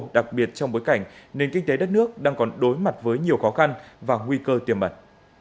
đặc biệt trong bối cảnh nền kinh tế đất nước đang còn đối mặt với nhiều khó khăn và nguy cơ tiềm mật